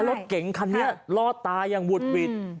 และรถเก๋งคันนี้ลอดตายังวุดวิด